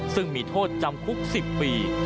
ซึ่งมีโทษจำคุก๑๐ปี